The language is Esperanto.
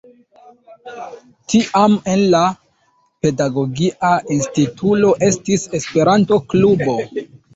Tiam en la Pedagogia Instituto estis Esperanto-klubo.